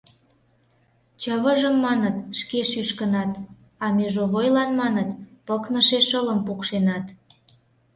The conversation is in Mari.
Чывыжым, маныт, шке шӱшкынат, а межовойлан, маныт, пыкныше шылым пукшенат...